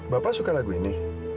bapak suka lagu ini